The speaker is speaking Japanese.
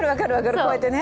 こうやってね。